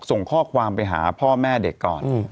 ส่งข้อความไปหาพ่อแม่เด็กก่อน